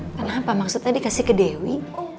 kenapa maksudnya dikasih ke dewi